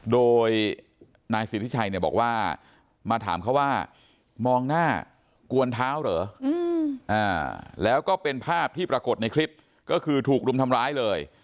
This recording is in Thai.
โดยนายสิทธิชัยเนี่ยบอกว่ามาถามเขาว่ามองหน้ากวนเท้าเหรอแล้วก็เป็นภาพที่ปรากฏในคลิปก็คือถูกรุมทำร้ายเลย